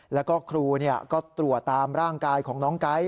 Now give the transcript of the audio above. แล้วก็ครูก็ตรวจตามร่างกายของน้องไก๊